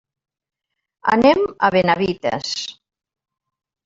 Anem a Benavites.